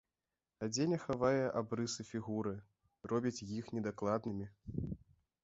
Адзенне хавае абрысы фігуры, робіць іх недакладнымі.